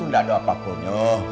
tuhan tidak ada apa apanya